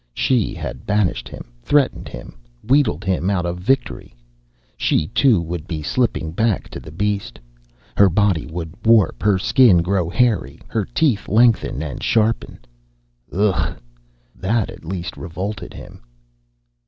She had banished him, threatened him, wheedled him out of victory. She, too, would be slipping back to the beast. Her body would warp, her skin grow hairy, her teeth lengthen and sharpen Ugh! That, at least, revolted him.